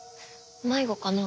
迷子かな？